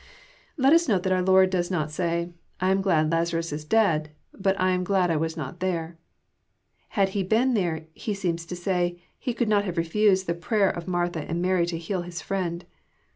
252 EXPOSITORY THOUOnrS. Let tis note that onr Lord does not say, '* I amglAd Lazanis is dead, bat I am glad I was jpt there." HadUebcen there. He seems to say, He coald not have reftised the prayer of Martha and Mary to heal His Ariend.